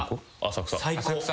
浅草。